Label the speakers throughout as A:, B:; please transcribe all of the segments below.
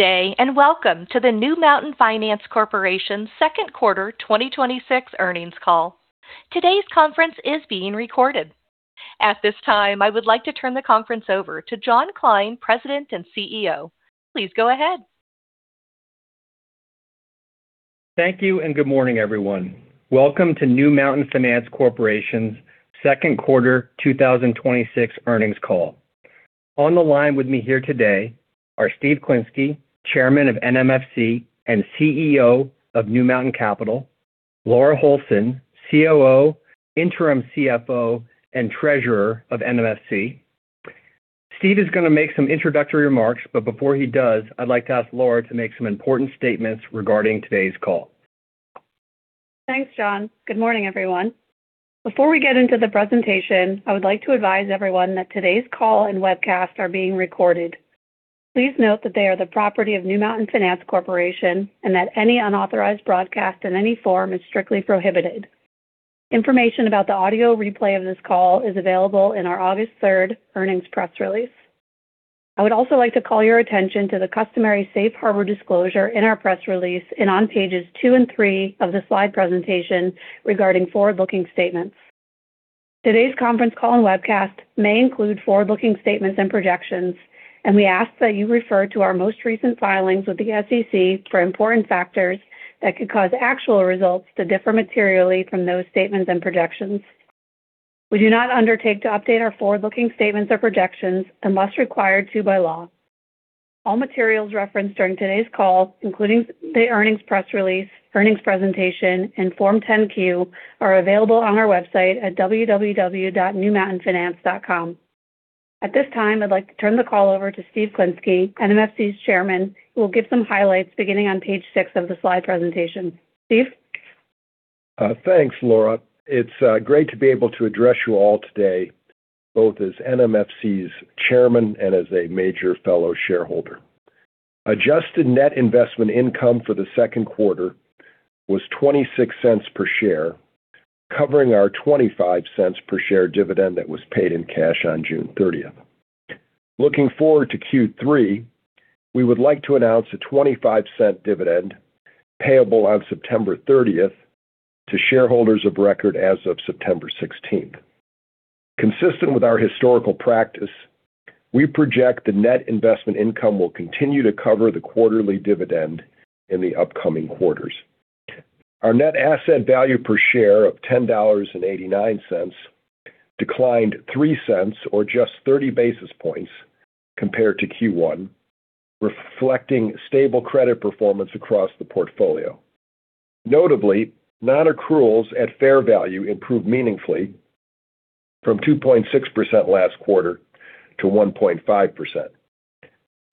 A: Day. Welcome to the New Mountain Finance Corporation's second quarter 2026 earnings call. Today's conference is being recorded. At this time, I would like to turn the conference over to John Kline, President and Chief Executive Officer. Please go ahead.
B: Thank you. Good morning, everyone. Welcome to New Mountain Finance Corporation's second quarter 2026 earnings call. On the line with me here today are Steve Klinsky, Chairman of NMFC and Chief Executive Officer of New Mountain Capital, Laura Holson, Chief Operating Officer, interim Chief Financial Officer, and Treasurer of NMFC. Steve is going to make some introductory remarks. Before he does, I'd like to ask Laura to make some important statements regarding today's call.
C: Thanks, John. Good morning, everyone. Before we get into the presentation, I would like to advise everyone that today's call and webcast are being recorded. Please note that they are the property of New Mountain Finance Corporation and that any unauthorized broadcast in any form is strictly prohibited. Information about the audio replay of this call is available in our August third earnings press release. I would also like to call your attention to the customary safe harbor disclosure in our press release and on pages two and three of the slide presentation regarding forward-looking statements. Today's conference call and webcast may include forward-looking statements and projections. We ask that you refer to our most recent filings with the SEC for important factors that could cause actual results to differ materially from those statements and projections. We do not undertake to update our forward-looking statements or projections unless required to by law. All materials referenced during today's call, including the earnings press release, earnings presentation, and Form 10-Q, are available on our website at www.newmountainfinance.com. At this time, I'd like to turn the call over to Steve Klinsky, NMFC's Chairman, who will give some highlights beginning on page six of the slide presentation. Steve?
D: Thanks, Laura. It's great to be able to address you all today, both as NMFC's Chairman and as a major fellow shareholder. Adjusted net investment income for the second quarter was $0.26 per share, covering our $0.25 per share dividend that was paid in cash on June 30th. Looking forward to Q3, we would like to announce a $0.25 dividend payable on September 30th to shareholders of record as of September 16th. Consistent with our historical practice, we project the net investment income will continue to cover the quarterly dividend in the upcoming quarters. Our net asset value per share of $10.89 declined $0.03, or just 30 basis points compared to Q1, reflecting stable credit performance across the portfolio. Notably, non-accruals at fair value improved meaningfully from 2.6% last quarter to 1.5%.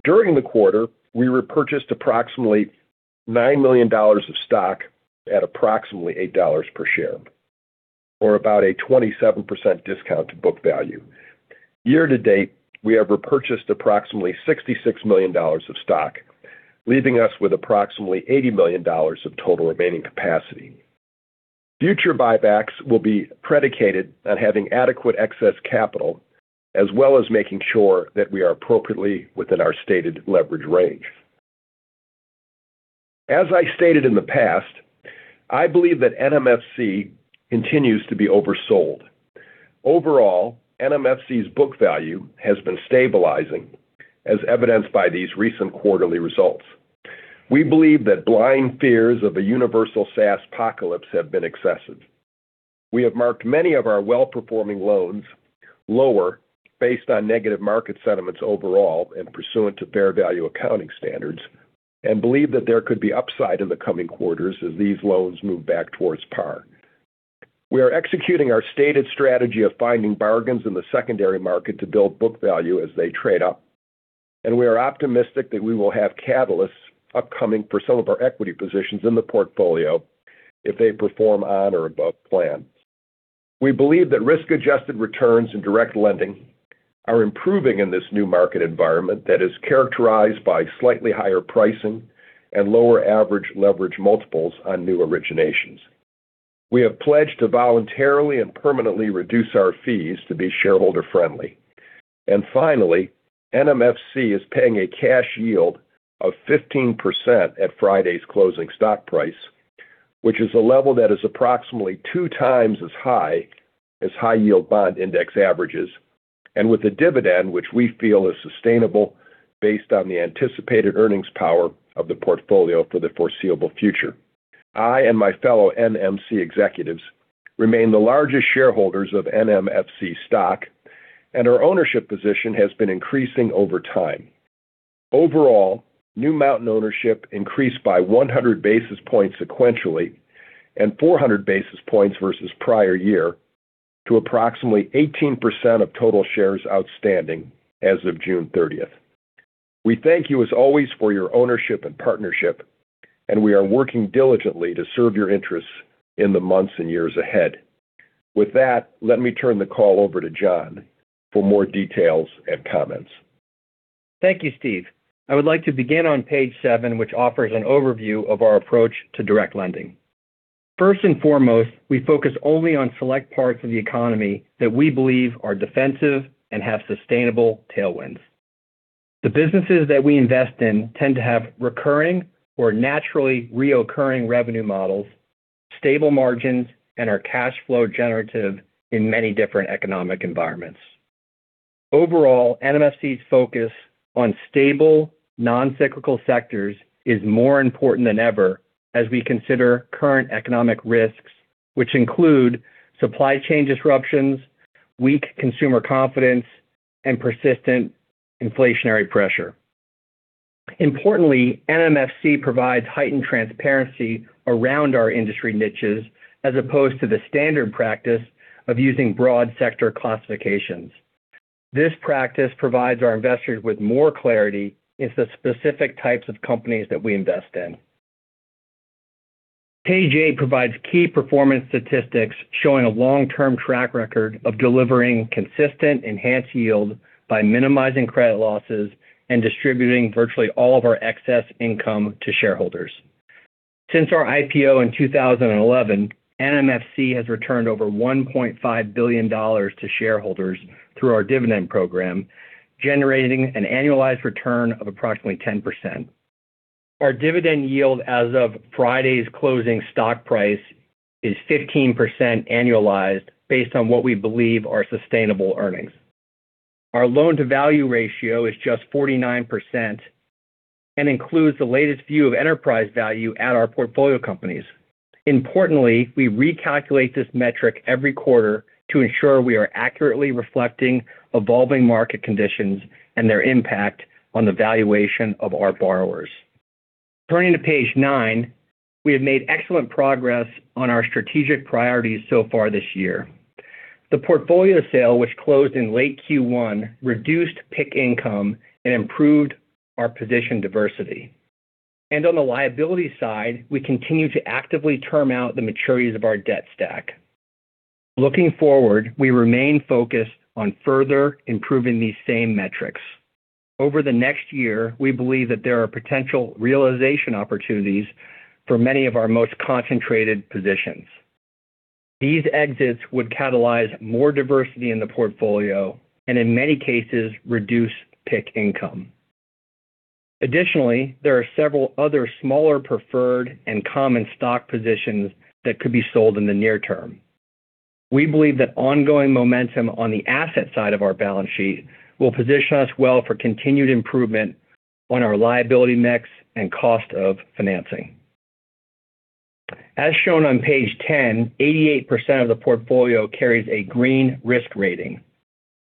D: During the quarter, we repurchased approximately $9 million of stock at approximately $8 per share, or about a 27% discount to book value. Year-to-date, we have repurchased approximately $66 million of stock, leaving us with approximately $80 million of total remaining capacity. Future buybacks will be predicated on having adequate excess capital, as well as making sure that we are appropriately within our stated leverage range. As I stated in the past, I believe that NMFC continues to be oversold. Overall, NMFC's book value has been stabilizing, as evidenced by these recent quarterly results. We believe that blind fears of a universal SaaSpocalypse have been excessive. We have marked many of our well-performing loans lower based on negative market sentiments overall and pursuant to fair value accounting standards and believe that there could be upside in the coming quarters as these loans move back towards par. We are executing our stated strategy of finding bargains in the secondary market to build book value as they trade up, and we are optimistic that we will have catalysts upcoming for some of our equity positions in the portfolio if they perform on or above plan. We believe that risk-adjusted returns in direct lending are improving in this new market environment that is characterized by slightly higher pricing and lower average leverage multiples on new originations. We have pledged to voluntarily and permanently reduce our fees to be shareholder-friendly. Finally, NMFC is paying a cash yield of 15% at Friday's closing stock price, which is a level that is approximately two times as high as high-yield bond index averages, and with a dividend which we feel is sustainable based on the anticipated earnings power of the portfolio for the foreseeable future. I and my fellow NMC executives remain the largest shareholders of NMFC stock, and our ownership position has been increasing over time. Overall, New Mountain ownership increased by 100 basis points sequentially and 400 basis points versus prior year to approximately 18% of total shares outstanding as of June 30th. We thank you as always for your ownership and partnership, and we are working diligently to serve your interests in the months and years ahead. With that, let me turn the call over to John for more details and comments.
B: Thank you, Steve. I would like to begin on page seven, which offers an overview of our approach to direct lending. First and foremost, we focus only on select parts of the economy that we believe are defensive and have sustainable tailwinds. The businesses that we invest in tend to have recurring or naturally reoccurring revenue models, stable margins, and are cash flow generative in many different economic environments. Overall, NMFC's focus on stable, non-cyclical sectors is more important than ever as we consider current economic risks, which include supply chain disruptions, weak consumer confidence, and persistent inflationary pressure. Importantly, NMFC provides heightened transparency around our industry niches as opposed to the standard practice of using broad sector classifications. This practice provides our investors with more clarity into specific types of companies that we invest in. Page eight provides key performance statistics showing a long-term track record of delivering consistent enhanced yield by minimizing credit losses and distributing virtually all of our excess income to shareholders. Since our IPO in 2011, NMFC has returned over $1.5 billion to shareholders through our dividend program, generating an annualized return of approximately 10%. Our dividend yield as of Friday's closing stock price is 15% annualized based on what we believe are sustainable earnings. Our loan-to-value ratio is just 49% and includes the latest view of enterprise value at our portfolio companies. Importantly, we recalculate this metric every quarter to ensure we are accurately reflecting evolving market conditions and their impact on the valuation of our borrowers. Turning to page nine, we have made excellent progress on our strategic priorities so far this year. The portfolio sale, which closed in late Q1, reduced PIK income and improved our position diversity. On the liability side, we continue to actively term out the maturities of our debt stack. Looking forward, we remain focused on further improving these same metrics. Over the next year, we believe that there are potential realization opportunities for many of our most concentrated positions. These exits would catalyze more diversity in the portfolio and in many cases, reduce PIK income. Additionally, there are several other smaller preferred and common stock positions that could be sold in the near term. We believe that ongoing momentum on the asset side of our balance sheet will position us well for continued improvement on our liability mix and cost of financing. As shown on page 10, 88% of the portfolio carries a green risk rating.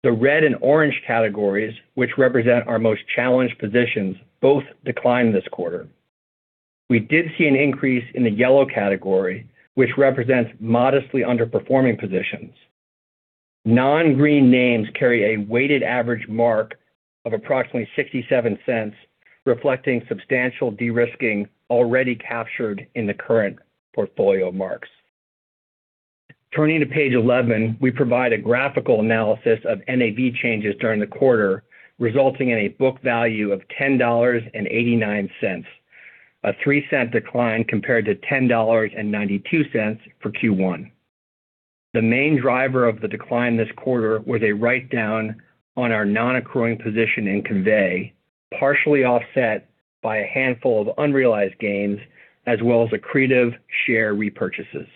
B: The red and orange categories, which represent our most challenged positions, both declined this quarter. We did see an increase in the yellow category, which represents modestly underperforming positions. Non-green names carry a weighted average mark of approximately $0.67, reflecting substantial de-risking already captured in the current portfolio marks. Turning to page 11, we provide a graphical analysis of NAV changes during the quarter, resulting in a book value of $10.89, a $0.03 decline compared to $10.92 for Q1. The main driver of the decline this quarter was a write-down on our non-accruing position in Convey, partially offset by a handful of unrealized gains, as well as accretive share repurchases.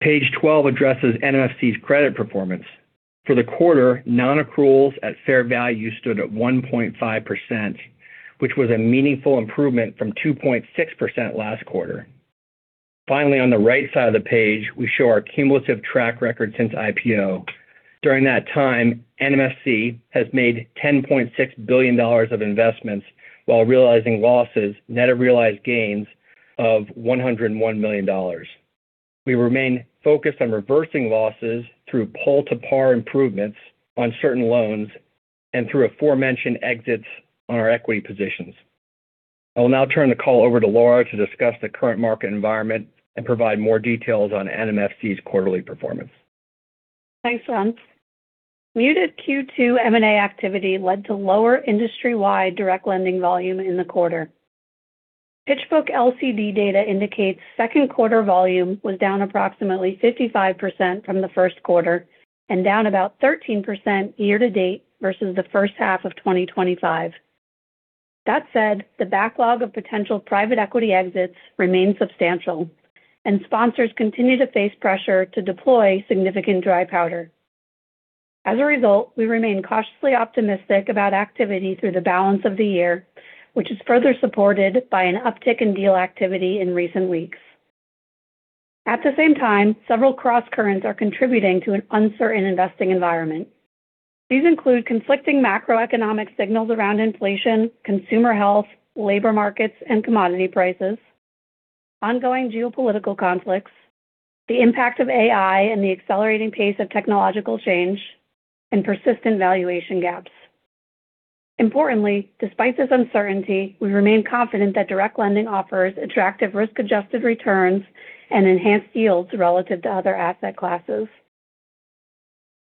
B: Page 12 addresses NMFC's credit performance. For the quarter, non-accruals at fair value stood at 1.5%, which was a meaningful improvement from 2.6% last quarter. Finally, on the right side of the page, we show our cumulative track record since IPO. During that time, NMFC has made $10.6 billion of investments while realizing losses, net of realized gains, of $101 million. We remain focused on reversing losses through pull-to-par improvements on certain loans and through aforementioned exits on our equity positions. I will now turn the call over to Laura to discuss the current market environment and provide more details on NMFC's quarterly performance.
C: Thanks, John. Muted Q2 M&A activity led to lower industry-wide direct lending volume in the quarter. PitchBook LCD data indicates second quarter volume was down approximately 55% from the first quarter and down about 13% year-to-date versus the first half of 2025. That said, the backlog of potential private equity exits remains substantial, and sponsors continue to face pressure to deploy significant dry powder. As a result, we remain cautiously optimistic about activity through the balance of the year, which is further supported by an uptick in deal activity in recent weeks. At the same time, several crosscurrents are contributing to an uncertain investing environment. These include conflicting macroeconomic signals around inflation, consumer health, labor markets, and commodity prices, ongoing geopolitical conflicts, the impact of AI and the accelerating pace of technological change, and persistent valuation gaps. Importantly, despite this uncertainty, we remain confident that direct lending offers attractive risk-adjusted returns and enhanced yields relative to other asset classes.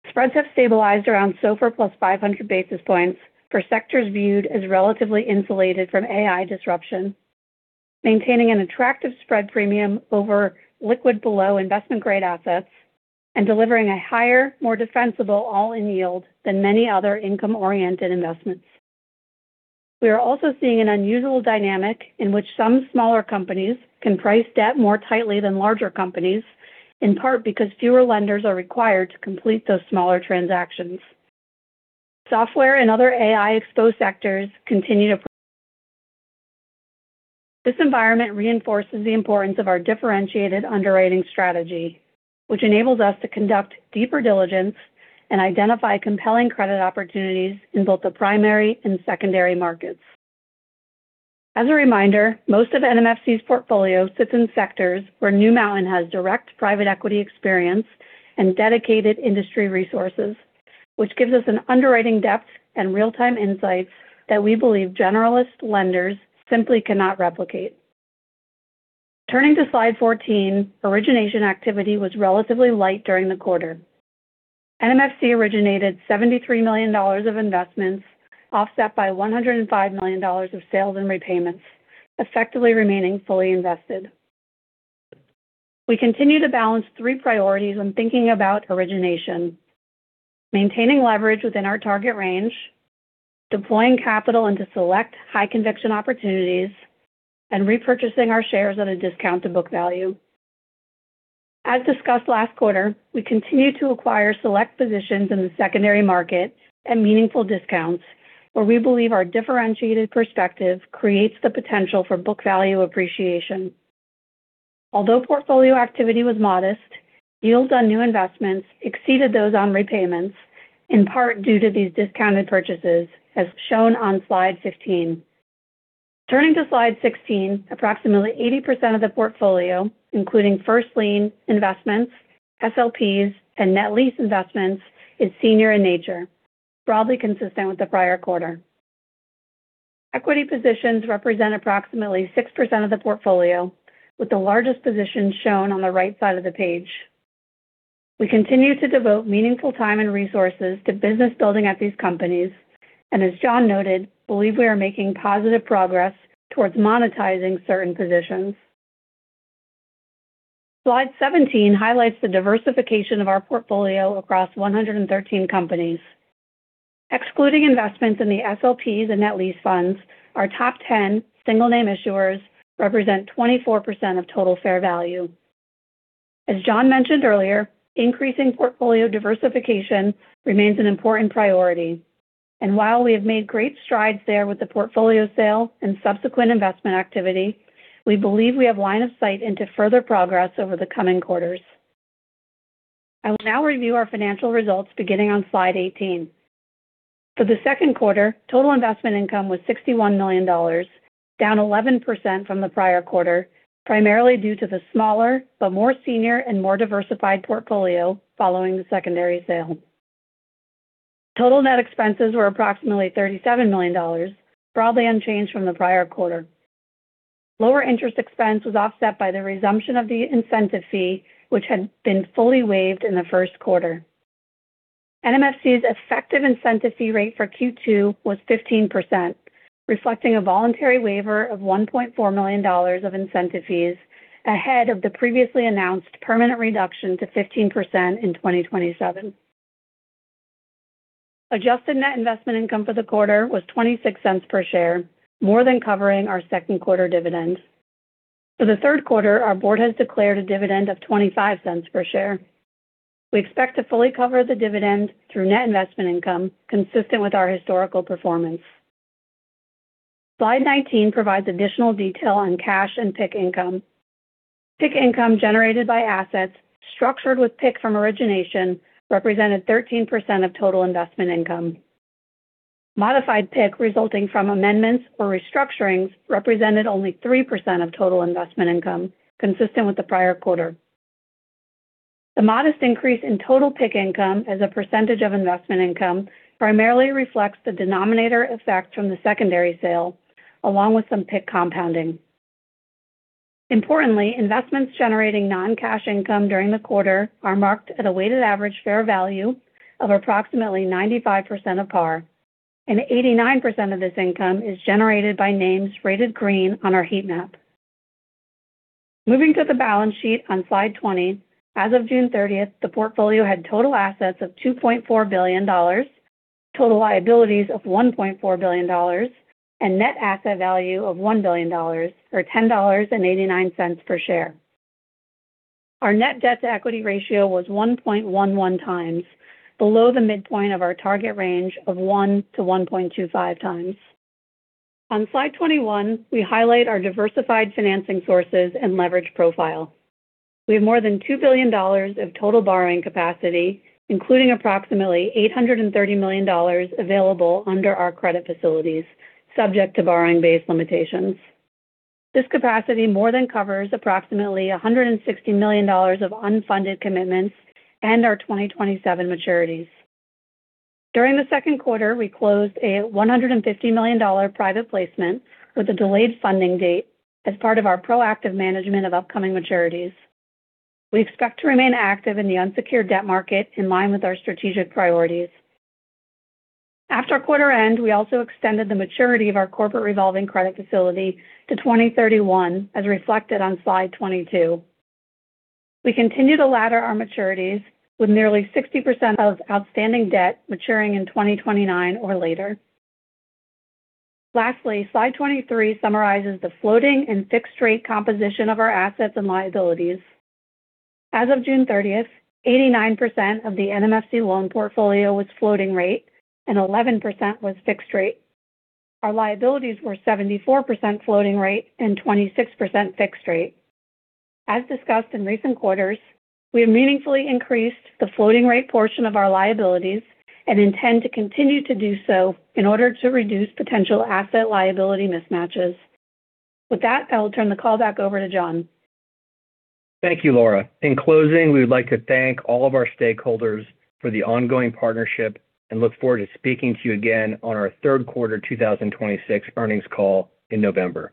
C: Spreads have stabilized around SOFR +500 basis points for sectors viewed as relatively insulated from AI disruption, maintaining an attractive spread premium over liquid below investment grade assets and delivering a higher, more defensible all-in yield than many other income-oriented investments. We are also seeing an unusual dynamic in which some smaller companies can price debt more tightly than larger companies, in part because fewer lenders are required to complete those smaller transactions. Software and other AI-exposed sectors. This environment reinforces the importance of our differentiated underwriting strategy, which enables us to conduct deeper diligence and identify compelling credit opportunities in both the primary and secondary markets. As a reminder, most of NMFC's portfolio sits in sectors where New Mountain has direct private equity experience and dedicated industry resources, which gives us an underwriting depth and real-time insights that we believe generalist lenders simply cannot replicate. Turning to slide 14, origination activity was relatively light during the quarter. NMFC originated $73 million of investments, offset by $105 million of sales and repayments, effectively remaining fully invested. We continue to balance three priorities when thinking about origination: maintaining leverage within our target range, deploying capital into select high-conviction opportunities, and repurchasing our shares at a discount to book value. As discussed last quarter, we continue to acquire select positions in the secondary market at meaningful discounts where we believe our differentiated perspective creates the potential for book value appreciation. Although portfolio activity was modest, yields on new investments exceeded those on repayments, in part due to these discounted purchases, as shown on slide 15. Turning to slide 16, approximately 80% of the portfolio, including first lien investments, SLPs, and net lease investments, is senior in nature, broadly consistent with the prior quarter. Equity positions represent approximately 6% of the portfolio, with the largest positions shown on the right side of the page. We continue to devote meaningful time and resources to business building at these companies, and as John noted, believe we are making positive progress towards monetizing certain positions. Slide 17 highlights the diversification of our portfolio across 113 companies. Excluding investments in the SLPs and net lease funds, our top 10 single name issuers represent 24% of total fair value. As John mentioned earlier, increasing portfolio diversification remains an important priority, while we have made great strides there with the portfolio sale and subsequent investment activity, we believe we have line of sight into further progress over the coming quarters. I will now review our financial results beginning on slide 18. For the second quarter, total investment income was $61 million, down 11% from the prior quarter, primarily due to the smaller but more senior and more diversified portfolio following the secondary sale. Total net expenses were approximately $37 million, broadly unchanged from the prior quarter. Lower interest expense was offset by the resumption of the incentive fee, which had been fully waived in the first quarter. NMFC's effective incentive fee rate for Q2 was 15%, reflecting a voluntary waiver of $1.4 million of incentive fees ahead of the previously announced permanent reduction to 15% in 2027. Adjusted net investment income for the quarter was $0.26 per share, more than covering our second quarter dividend. For the third quarter, our board has declared a dividend of $0.25 per share. We expect to fully cover the dividend through net investment income consistent with our historical performance. Slide 19 provides additional detail on cash and PIK income. PIK income generated by assets structured with PIK from origination represented 13% of total investment income. Modified PIK resulting from amendments or restructurings represented only 3% of total investment income, consistent with the prior quarter. The modest increase in total PIK income as a percentage of investment income primarily reflects the denominator effect from the secondary sale, along with some PIK compounding. Importantly, investments generating non-cash income during the quarter are marked at a weighted average fair value of approximately 95% of par, and 89% of this income is generated by names rated green on our heat map. Moving to the balance sheet on slide 20, as of June 30th, the portfolio had total assets of $2.4 billion, total liabilities of $1.4 billion, and net asset value of $1 billion, or $10.89 per share. Our net debt-to-equity ratio was 1.11 times, below the midpoint of our target range of 1x-1.25x. On slide 21, we highlight our diversified financing sources and leverage profile. We have more than $2 billion of total borrowing capacity, including approximately $830 million available under our credit facilities subject to borrowing base limitations. This capacity more than covers approximately $160 million of unfunded commitments and our 2027 maturities. During the second quarter, we closed a $150 million private placement with a delayed funding date as part of our proactive management of upcoming maturities. We expect to remain active in the unsecured debt market in line with our strategic priorities. After our quarter end, we also extended the maturity of our corporate revolving credit facility to 2031, as reflected on slide 22. We continue to ladder our maturities with nearly 60% of outstanding debt maturing in 2029 or later. Lastly, slide 23 summarizes the floating and fixed-rate composition of our assets and liabilities. As of June 30th, 89% of the NMFC loan portfolio was floating rate and 11% was fixed rate. Our liabilities were 74% floating rate and 26% fixed rate. As discussed in recent quarters, we have meaningfully increased the floating rate portion of our liabilities and intend to continue to do so in order to reduce potential asset liability mismatches. With that, I will turn the call back over to John.
B: Thank you, Laura. In closing, we would like to thank all of our stakeholders for the ongoing partnership and look forward to speaking to you again on our third quarter 2026 earnings call in November.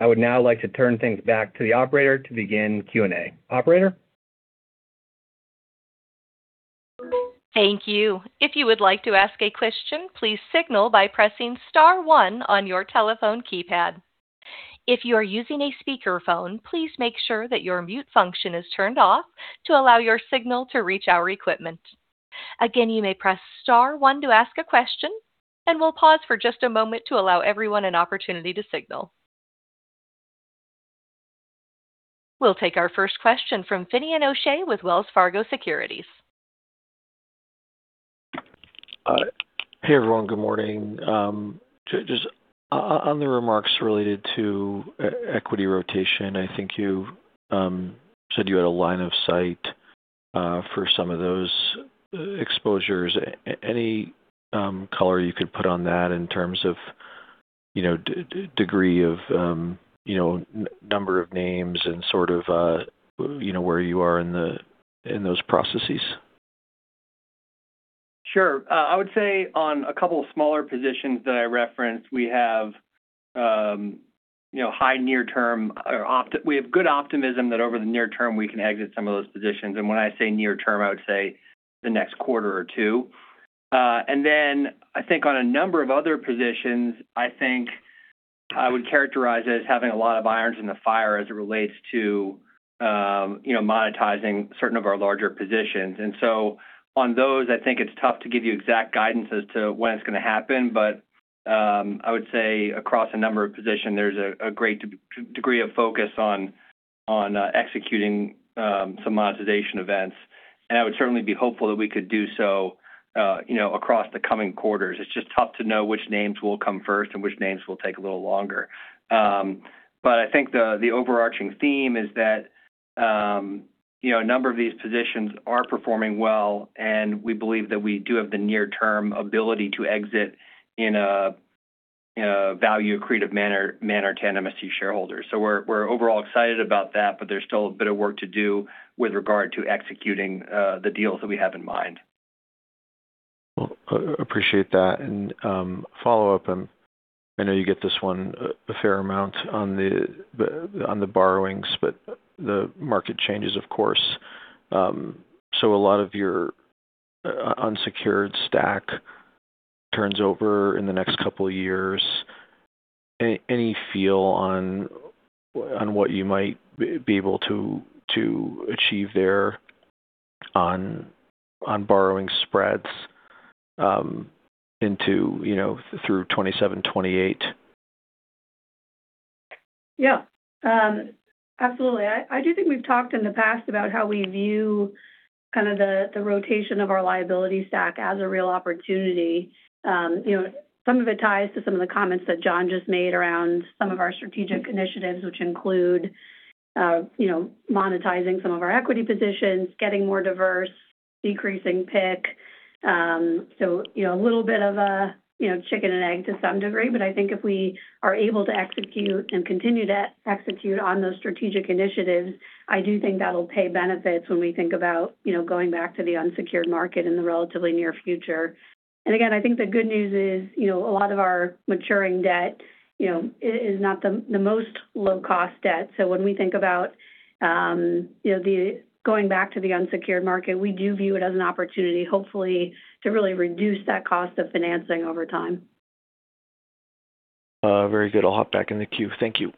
B: I would now like to turn things back to the operator to begin question-and-answer. Operator?
A: Thank you. If you would like to ask a question, please signal by pressing star one on your telephone keypad. If you are using a speakerphone, please make sure that your mute function is turned off to allow your signal to reach our equipment. Again, you may press star one to ask a question, and we'll pause for just a moment to allow everyone an opportunity to signal. We'll take our first question from Finian O'Shea with Wells Fargo Securities.
E: Hey everyone. Good morning. Just on the remarks related to equity rotation, I think you said you had a line of sight for some of those exposures. Any color you could put on that in terms of degree of number of names and where you are in those processes?
B: Sure. I would say on a couple of smaller positions that I referenced, we have good optimism that over the near term, we can exit some of those positions. When I say near term, I would say the next quarter or two. I think on a number of other positions, I think I would characterize it as having a lot of irons in the fire as it relates to monetizing certain of our larger positions. On those, I think it's tough to give you exact guidance as to when it's going to happen. I would say across a number of positions, there's a great degree of focus on executing some monetization events, and I would certainly be hopeful that we could do so across the coming quarters. It's just tough to know which names will come first and which names will take a little longer. I think the overarching theme is that a number of these positions are performing well, and we believe that we do have the near-term ability to exit in a value-accretive manner to NMFC shareholders. We're overall excited about that, but there's still a bit of work to do with regard to executing the deals that we have in mind.
E: Appreciate that. Follow-up, and I know you get this one a fair amount on the borrowings, but the market changes, of course. A lot of your unsecured stack turns over in the next couple of years. Any feel on what you might be able to achieve there on borrowing spreads through 2027, 2028?
C: Absolutely. I do think we've talked in the past about how we view the rotation of our liability stack as a real opportunity. Some of it ties to some of the comments that John Kline just made around some of our strategic initiatives, which include monetizing some of our equity positions, getting more diverse, decreasing PIK. A little bit of a chicken and egg to some degree, but I think if we are able to execute and continue to execute on those strategic initiatives, I do think that'll pay benefits when we think about going back to the unsecured market in the relatively near future. Again, I think the good news is a lot of our maturing debt is not the most low-cost debt. When we think about going back to the unsecured market, we do view it as an opportunity, hopefully, to really reduce that cost of financing over time.
E: Very good. I'll hop back in the queue. Thank you.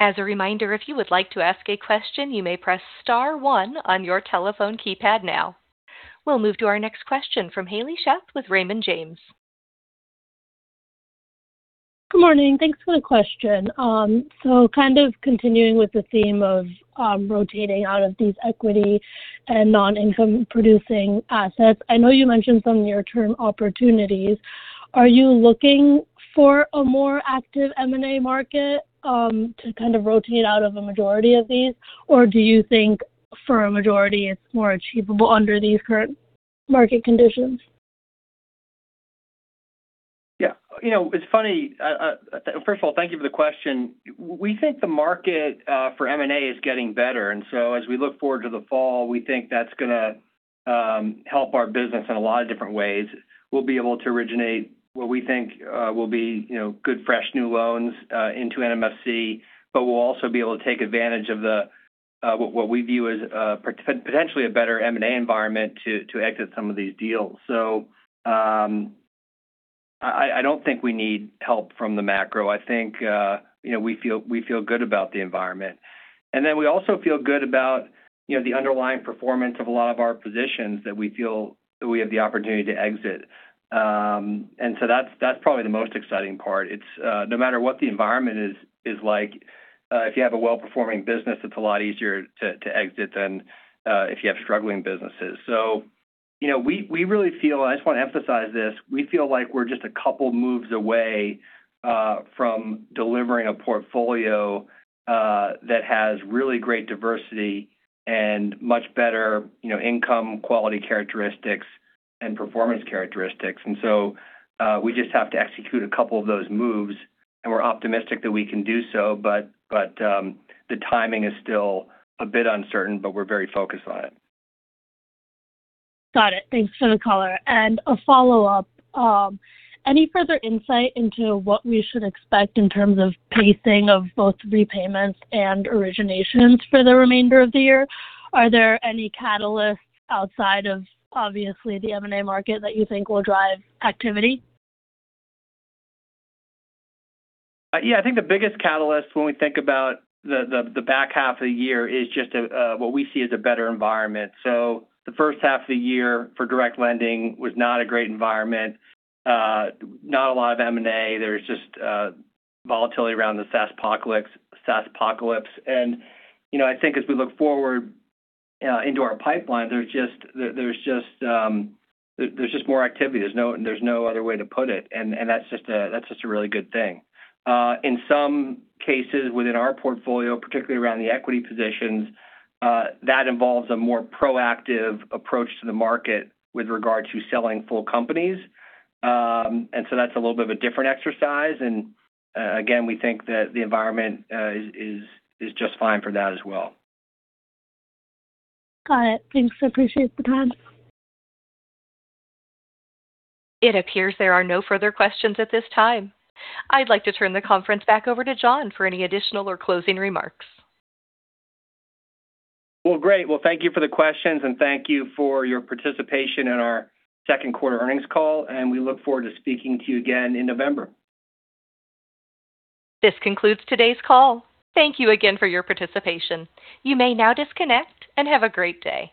A: As a reminder, if you would like to ask a question, you may press star one on your telephone keypad now. We'll move to our next question from Haley Sheff with Raymond James.
F: Good morning. Thanks for the question. Continuing with the theme of rotating out of these equity and non-income-producing assets, I know you mentioned some near-term opportunities. Are you looking for a more active M&A market to rotate out of a majority of these, or do you think for a majority, it's more achievable under these current market conditions?
B: Yeah. It's funny. First of all, thank you for the question. We think the market for M&A is getting better. As we look forward to the fall, we think that's going to help our business in a lot of different ways. We'll be able to originate what we think will be good, fresh, new loans into NMFC, but we'll also be able to take advantage of the, what we view as, potentially a better M&A environment to exit some of these deals. I don't think we need help from the macro. I think we feel good about the environment. We also feel good about the underlying performance of a lot of our positions that we feel that we have the opportunity to exit. That's probably the most exciting part. No matter what the environment is like, if you have a well-performing business, it's a lot easier to exit than if you have struggling businesses. We really feel, and I just want to emphasize this, we feel like we're just a couple moves away from delivering a portfolio that has really great diversity and much better income quality characteristics and performance characteristics. We just have to execute a couple of those moves, and we're optimistic that we can do so. The timing is still a bit uncertain, but we're very focused on it.
F: Got it. Thanks for the color. A follow-up. Any further insight into what we should expect in terms of pacing of both repayments and originations for the remainder of the year? Are there any catalysts outside of, obviously, the M&A market that you think will drive activity?
B: Yeah. I think the biggest catalyst when we think about the back half of the year is just what we see as a better environment. The first half of the year for direct lending was not a great environment. Not a lot of M&A. There's just volatility around the SaaSpocalypse. I think as we look forward into our pipeline, there's just more activity. There's no other way to put it, and that's just a really good thing. In some cases within our portfolio, particularly around the equity positions, that involves a more proactive approach to the market with regard to selling full companies. That's a little bit of a different exercise, and again, we think that the environment is just fine for that as well.
F: Got it. Thanks. Appreciate the time.
A: It appears there are no further questions at this time. I'd like to turn the conference back over to John for any additional or closing remarks.
B: Well, great. Well, thank you for the questions, thank you for your participation in our second quarter earnings call, we look forward to speaking to you again in November.
A: This concludes today's call. Thank you again for your participation. You may now disconnect, and have a great day.